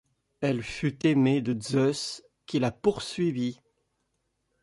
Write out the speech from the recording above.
Elle fut aimée de Zeus, qui la poursuivit.